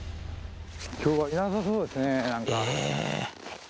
きょうはいなさそうですね、なんか。